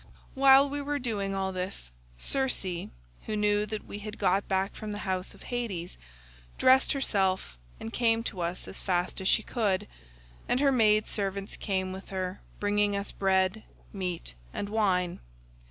"While we were doing all this, Circe, who knew that we had got back from the house of Hades, dressed herself and came to us as fast as she could; and her maid servants came with her bringing us bread, meat, and wine.